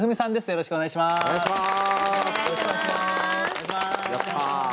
よろしくお願いします。